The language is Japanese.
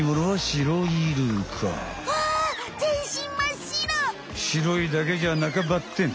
白いだけじゃなかばってん。